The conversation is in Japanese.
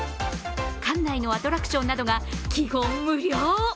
館内のアトラクションなどが基本無料。